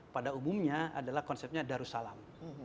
pada umumnya adalah konsepnya darussalam